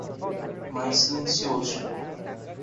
Mais silencioso